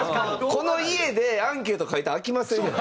この家でアンケート書いたらあきませんよ。